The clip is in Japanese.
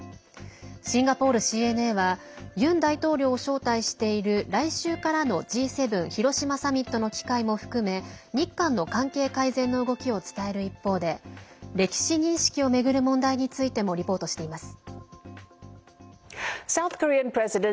シンガポールＣＮＡはユン大統領を招待している来週からのＧ７広島サミットの機会も含め日韓の関係改善の動きを伝える一方で歴史認識を巡る問題についてもリポートしています。